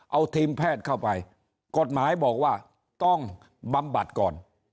เอาทีมแพทย์เข้าไปกฎหมายบอกว่าต้องบำบัดก่อน